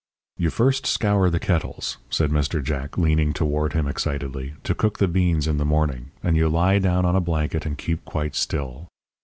"You first scour the kettles," said Mr. Jack, leaning toward him excitedly, "to cook the beans in the morning, and you lie down on a blanket and keep quite still.